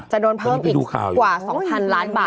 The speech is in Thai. จะโดนเพิ่มอีกกว่า๒๐๐๐ล้านบาท